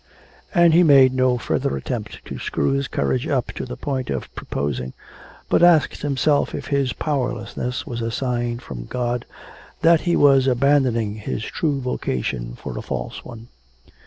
And he made no further attempt to screw his courage up to the point of proposing, but asked himself if his powerlessness was a sign from God that he was abandoning his true vocation for a false one?